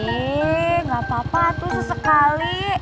gak apa apa tuh sesekali